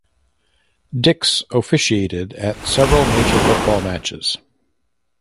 Dix officiated at several major football matches.